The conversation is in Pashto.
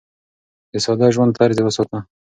د ساده ژوند طرز يې وساته.